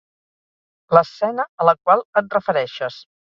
L'escena a la qual et refereixes